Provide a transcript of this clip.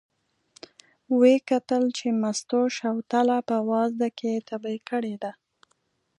و یې کتل چې مستو شوتله په وازده کې تبی کړې ده.